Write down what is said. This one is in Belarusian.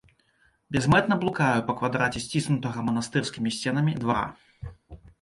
Бязмэтна блукаю па квадраце сціснутага манастырскімі сценамі двара.